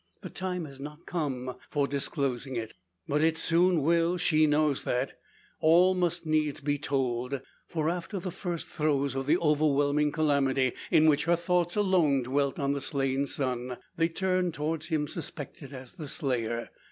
The time has not come for disclosing it. But it soon will she knows that. All must needs be told. For, after the first throes of the overwhelming calamity, in which her thoughts alone dwelt on the slain son, they turned towards him suspected as the slayer.